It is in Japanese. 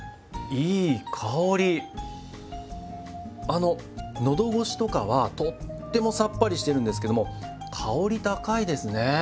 あの喉越しとかはとってもさっぱりしてるんですけども香り高いですね。